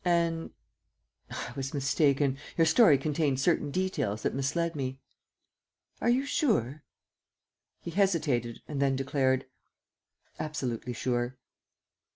... And ..." "I was mistaken. Your story contained certain details that misled me." "Are you sure?" He hesitated and then declared: "Absolutely sure."